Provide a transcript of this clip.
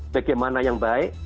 bagaimana yang baik